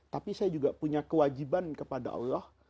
tapi saya juga punya kewajiban kepada allah